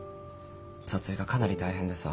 撮影がかなり大変でさ。